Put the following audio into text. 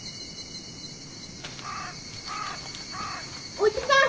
おじさん！